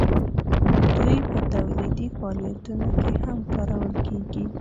دوی په تولیدي فعالیتونو کې هم کارول کیږي.